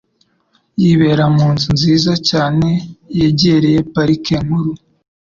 Yibera mu nzu nziza cyane yegereye Parike Nkuru